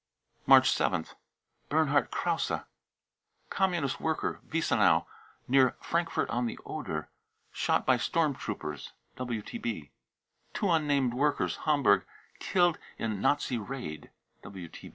March 7th. bernhard krause, Communist worker, Wiesenau, near Frankfurt on the Oder, shot by storm troops. {WTB.) two unnamed workers, Hamburg, killed in Nazi raid.